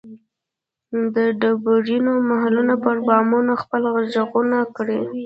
د ډبرینو محلونو پر بامونو خپل ږغونه کري